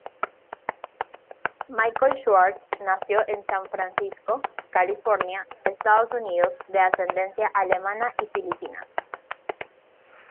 Michael Schwartz nació en San Francisco, California, Estados Unidos, de ascendencia alemana y filipina.